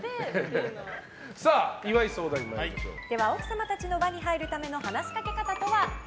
奥様たちの輪に入るための話しかけ方とは？